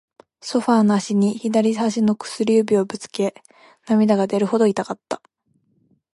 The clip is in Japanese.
ソファーの脚に、左足の薬指をぶつけ、涙が出るほど痛かった。